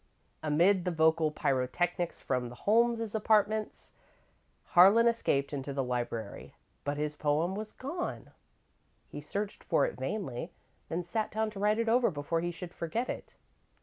Amid the vocal pyrotechnics from the Holmes apartments, Harlan escaped into the library, but his poem was gone. He searched for it vainly, then sat down to write it over before he should forget it.